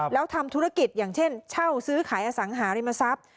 แล้วทำธุรกิจอย่างเช่นเช่าซื้อขายอสังหาริมทรัพย์